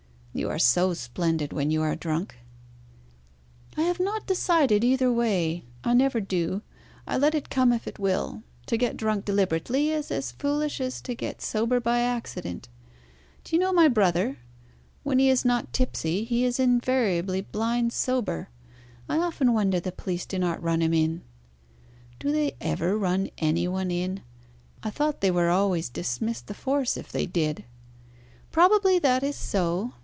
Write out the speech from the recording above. "You are so splendid when you are drunk." "I have not decided either way. I never do. I let it come if it will. To get drunk deliberately is as foolish as to get sober by accident. Do you know my brother? When he is not tipsy, he is invariably blind sober. I often wonder the police do not run him in." "Do they ever run any one in? I thought they were always dismissed the force if they did." "Probably that is so.